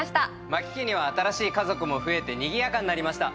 万木家には新しい家族も増えてにぎやかになりました。